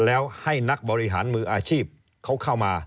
แล้วให้นักบริหารมืออาชีพเขาเข้ามา